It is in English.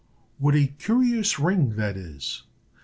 "What a curious ring that is!"